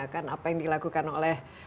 apa yang dilakukan oleh